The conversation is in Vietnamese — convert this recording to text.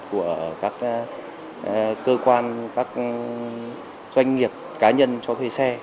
của các cơ quan các doanh nghiệp cá nhân cho thuê xe